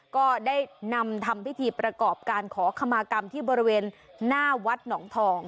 ก็ได้นำทำพิธีประกอบการขอขมากรรมที่บริเวณหน้าวัดหนองทอง